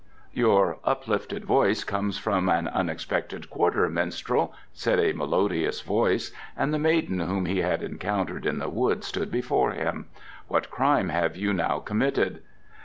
"Your uplifted voice comes from an unexpected quarter, minstrel," said a melodious voice, and the maiden whom he had encountered in the wood stood before him. "What crime have you now committed?"